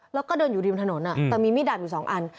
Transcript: แล้วก็เดินอยู่ริมถนนแต่มีมีดดาบอยู่๒อัน